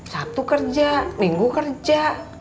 sabtu kerja minggu kerja